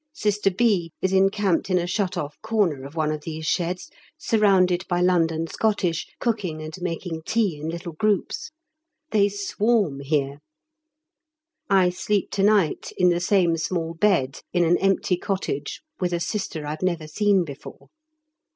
Sister B. is encamped in a shut off corner of one of these sheds surrounded by London Scottish cooking and making tea in little groups; they swarm here. I sleep to night in the same small bed in an empty cottage with a Sister I've never seen before.